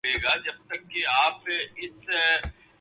عراق میں پر تشدد مظاہرے ہوئے ہیں۔